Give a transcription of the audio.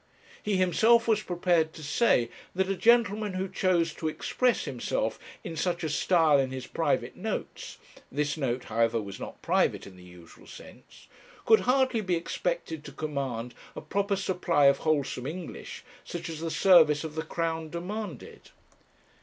He himself was prepared to say that a gentleman who chose to express himself in such a style in his private notes this note, however, was not private in the usual sense could hardly be expected to command a proper supply of wholesome English, such as the service of the Crown demanded!'